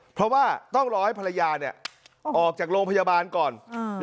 เพราะว่าต้องรอให้ภรรยาเนี่ยออกจากโรงพยาบาลก่อน